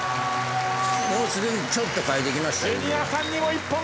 もうすでにちょっと変えてきましたね。